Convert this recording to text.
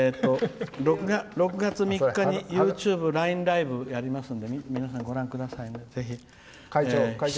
６月３日にＹｏｕＴｕｂｅＬＩＮＥＬＩＶＥやりますので、皆さんご覧くださいね。